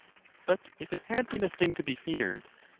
But if it had been a. thing to be feared, L.